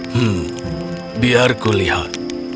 hmm biar kulihat